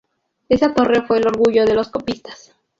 Esa torre fue el orgullo de los copistas.